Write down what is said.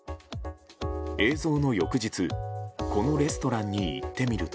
映像の翌日、このレストランに行ってみると。